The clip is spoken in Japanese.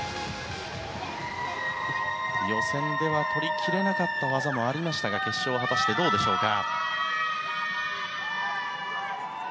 予選では取り切れなかった技もありましたが決勝、果たしてどうでしょうか。